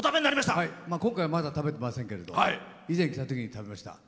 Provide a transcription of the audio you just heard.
今回、まだ食べてませんけど以前、来たときに食べました。